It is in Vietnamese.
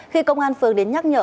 khi công an phường đến nhắc nhở